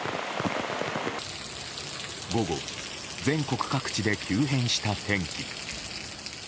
午後、全国各地で急変した天気。